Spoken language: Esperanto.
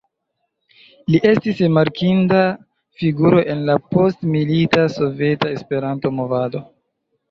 Li estis rimarkinda figuro en la postmilita soveta Esperanto-movado.